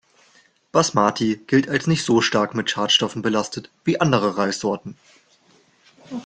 Basmati gilt als nicht so stark mit Schadstoffen belastet wie andere Reissorten.